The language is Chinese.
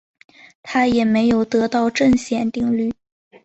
他也没有得到正弦定律。